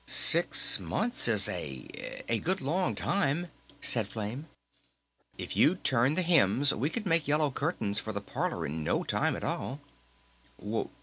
"Six months is a a good long time," said Flame. "If you'd turn the hems we could make yellow curtains for the parlor in no time at all!"